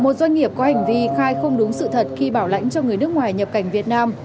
một doanh nghiệp có hành vi khai không đúng sự thật khi bảo lãnh cho người nước ngoài nhập cảnh việt nam